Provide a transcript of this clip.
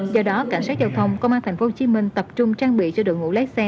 do đó cảnh sát giao thông công an tp hcm tập trung trang bị cho đội ngũ lái xe